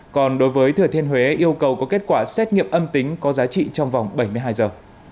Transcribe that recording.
còn đối với thừa thiên huế yêu cầu có kết quả xét nghiệm âm tính có giá trị trong vòng bảy mươi hai giờ